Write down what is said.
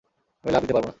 আমি লাফ দিতে পারবো না।